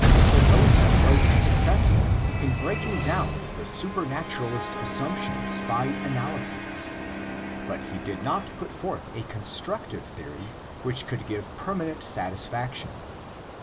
Spinoza was successful in breaking down the supernaturalist assumptions by analysis, but he did not put forth a constructive theory which could give permanent satis faction.